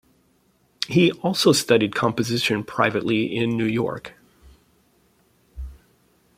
He also studied composition privately in New York.